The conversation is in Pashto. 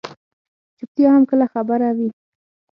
چُپتیا هم کله خبره وي.